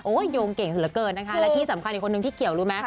โอ๊ยโยงเก่งสุดเหลือเกินนะครับและที่สำคัญอีกคนนึงพี่เขียวรู้มะ